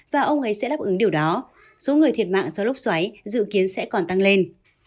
và ông ấy sẽ đáp ứng điều đó số người thiệt mạng do lốc xoáy dự kiến sẽ còn tăng lên